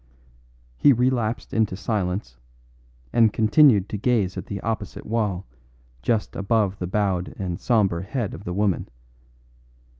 He relapsed into silence, and continued to gaze at the opposite wall just above the bowed and sombre head of the woman.